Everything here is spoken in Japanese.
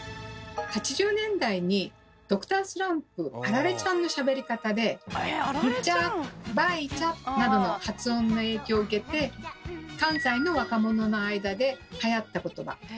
８０年代に「Ｄｒ．スランプアラレちゃん」のしゃべり方で「んちゃ」「ばいちゃ」などの発音の影響を受けて関西の若者の間ではやった言葉と言われてます。